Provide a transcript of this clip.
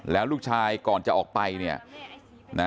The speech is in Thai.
แล้วลูกชายก่อนจะออกไปเนี่ยนะ